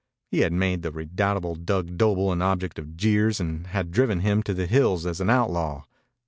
He had made the redoubtable Dug Doble an object of jeers and had driven him to the hills as an outlaw.